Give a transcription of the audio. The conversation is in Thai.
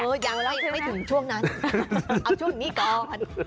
เออยังไม่ถึงช่วงนั้นเอาช่วงนี้ก่อน